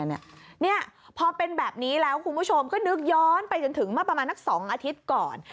เนี่ยพอเป็นแบบนี้แล้วคุณผู้ชมก็นึกย้อนไปจนถึงเมื่อประมาณนัก๒อาทิตย์ก่อน